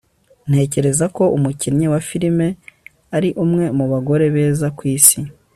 ntekereza ko umukinnyi wa filime ari umwe mu bagore beza ku isi